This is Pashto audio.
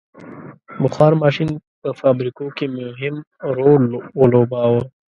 • بخار ماشین په فابریکو کې مهم رول ولوباوه.